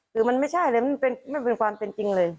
คือมันไม่ใช่เลยไม่เป็นความเป็นจริงเลย